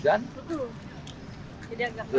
jadi agak malam